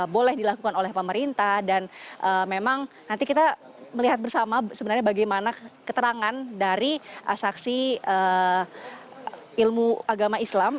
boleh dilakukan oleh pemerintah dan memang nanti kita melihat bersama sebenarnya bagaimana keterangan dari saksi ilmu agama islam